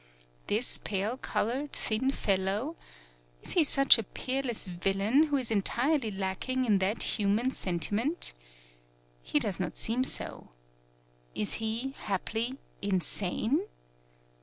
This pale col ored thin fellow is he such a peerless villain who is entirely lacking in that human sentiment? He does not seem so. Is he, haply, insane?